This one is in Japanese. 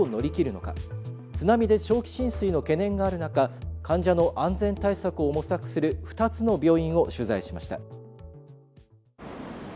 津波で長期浸水の懸念がある中患者の安全対策を模索する２つの病院を取材しました。